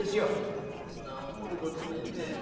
そんな怒ることねえべ。